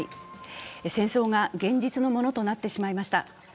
戦争が現実のものとなってしまいました。